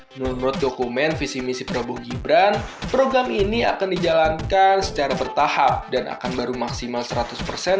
menurut dokumen visi misi prabowo gibran program ini akan dijalankan secara bertahap dan akan baru maksimal seratus pada tahun dua ribu dua puluh sembilan mendatang